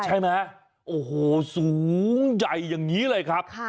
ใช่ไหมโอ้โหสูงใหญ่อย่างนี้เลยครับ